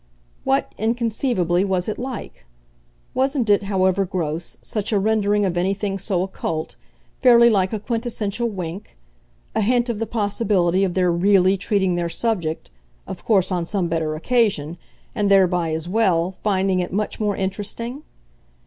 What, inconceivably, was it like? Wasn't it, however gross, such a rendering of anything so occult, fairly like a quintessential wink, a hint of the possibility of their REALLY treating their subject of course on some better occasion and thereby, as well, finding it much more interesting?